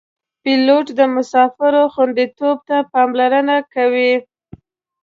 پیلوټ د مسافرو خوندیتوب ته پاملرنه کوي.